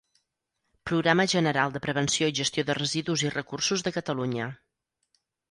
Programa general de prevenció i gestió de residus i recursos de Catalunya.